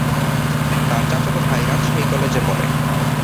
তার চাচাতো ভাই রাজশাহী কলেজে পড়ে।